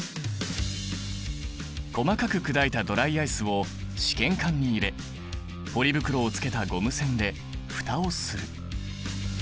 細かく砕いたドライアイスを試験管に入れポリ袋をつけたゴム栓で蓋をする。